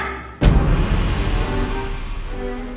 foto apa sih mbak